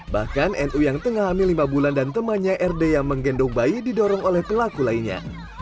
bahkan nu yang tengah hamil lima bulan dan temannya rd yang menggendong bayi didorong oleh pelaku lainnya